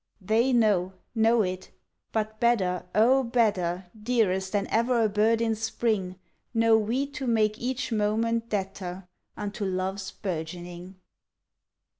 They know! know it! but better, oh, better, Dearest, than ever a bird in Spring, Know we to make each moment debtor Unto love's burgeoning!